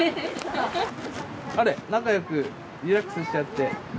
あれっ？仲良くリラックスしちゃって。